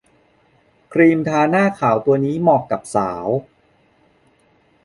ครีมทาหน้าขาวตัวนี้เหมาะกับสาว